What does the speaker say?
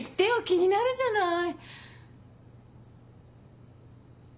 気になるじゃない。